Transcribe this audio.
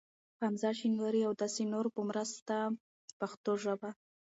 حمزه شینواري ا و داسی نورو په مرسته پښتو ژبه